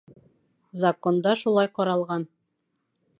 Законда шулай ҡаралған.